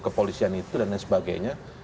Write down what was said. kepolisian itu dan lain sebagainya